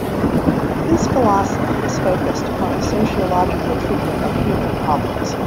His philosophy is focused upon the sociological treatment of human problems.